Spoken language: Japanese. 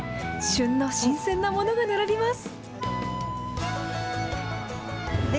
旬の新鮮なものが並びます。